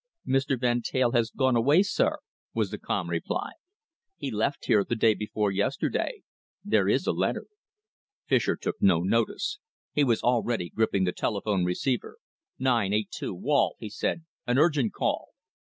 "Mr. Van Teyl has gone away, sir," was the calm reply. "He left here the day before yesterday. There is a letter." Fischer took no notice. He was already gripping the telephone receiver. "982, Wall," he said "an urgent call."